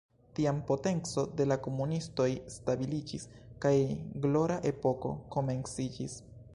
Tiam potenco de la komunistoj stabiliĝis kaj "glora epoko" komenciĝis.